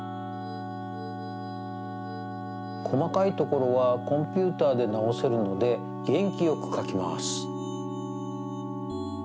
こまかいところはコンピューターでなおせるのでげんきよく描きます。